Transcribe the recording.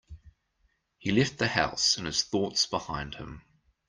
He left the house and his thoughts behind him.